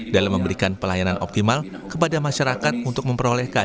dalam memberikan pelayanan optimal kepada masyarakat untuk memperolehkan